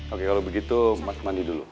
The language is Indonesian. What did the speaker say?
oke kalau begitu mas mandi dulu